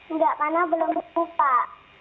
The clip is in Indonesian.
enggak karena belum dibuka